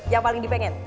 yang paling dipengen